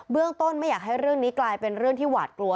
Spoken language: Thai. เรื่องต้นไม่อยากให้เรื่องนี้กลายเป็นเรื่องที่หวาดกลัว